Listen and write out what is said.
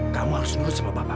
kamu harus nurut sama bapak